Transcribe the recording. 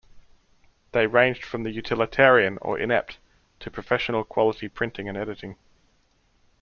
They ranged from the utilitarian or inept to professional-quality printing and editing.